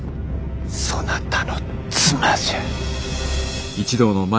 そなたの妻じゃ。